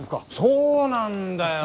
そうなんだよ。